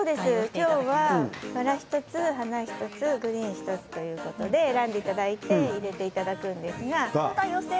今日はバラ１つ、花１つグリーン１つということで選んで入れていただくんですが。